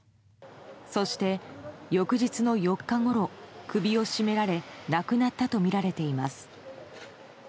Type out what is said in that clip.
そして、翌日の４日ごろ首を絞められ亡くなったとみられています。